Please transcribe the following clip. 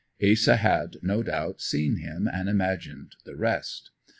Asa had, no doubt, seen him and imagined the rest.